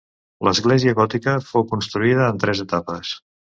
L'església gòtica fou construïda en tres etapes.